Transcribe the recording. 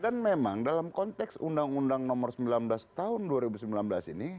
dan memang dalam konteks undang undang nomor sembilan belas tahun dua ribu sembilan belas ini